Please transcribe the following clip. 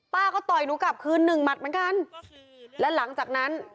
ป้าก็ต่อยหนูกลับคืนหนึ่งหมัดเหมือนกันและหลังจากนั้น